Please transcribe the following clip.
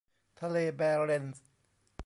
ทะเลแบเร็นตส์